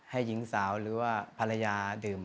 หญิงสาวหรือว่าภรรยาดื่ม